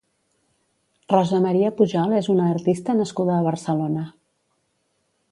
Rosa Maria Pujol és una artista nascuda a Barcelona.